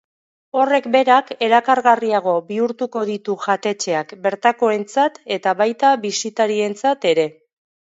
Horrek berak erakargarriago bihurtuko ditu jatetxeak bertakoentzat eta baita bisitarientzat ere.